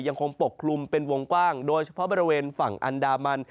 ยังคงปกคลุมเป็นวงกว้างโดยเฉพาะบริเวณฝั่งอันดามัน